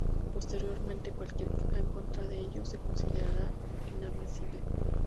Posteriormente cualquier queja en contra de ellos se considerará inadmisible.